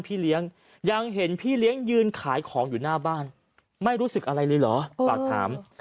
พี่เลี้ยงยังเห็นพี่เลี้ยงยืนขายของอยู่หน้าบ้านไม่รู้สึกอะไรเลยเหรอฝากถาม